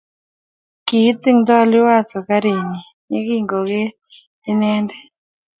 ki itingtoi Liwazo karitnyin yekingogeer inendet